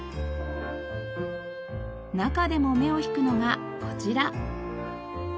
中でも目を引くのがこちら。